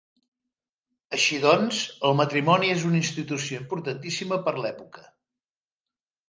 Així doncs, el matrimoni és una institució importantíssima per l'època.